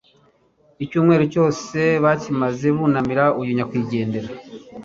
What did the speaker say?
icyumweru cyose bari bakimaze bunamira uyu nyakwigendera